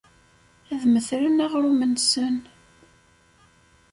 Ad mmetren aɣrum-nsen.